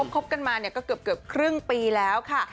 คบกันมาก็เกือบครึ่งปีแล้วค่ะ